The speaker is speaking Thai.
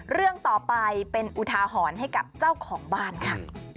เรื่องต่อไปเป็นอุทาหรณ์ให้กับเจ้าของบ้านค่ะ